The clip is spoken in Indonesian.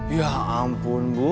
ya ampun bu